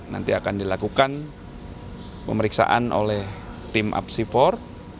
nanti akan dilakukan pemeriksaan oleh tim apsifor